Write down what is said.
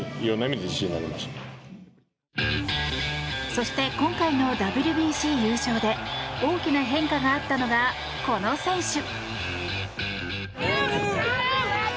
そして、今回のＷＢＣ優勝で大きな変化があったのがこの選手。